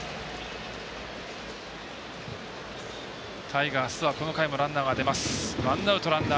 タイガースはこの回もランナー出ます。